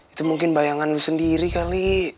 itu mungkin bayangan sendiri kali